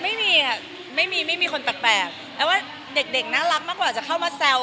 ไม่มีค่ะไม่มีไม่มีคนแปลกแต่ว่าเด็กน่ารักมากกว่าจะเข้ามาแซว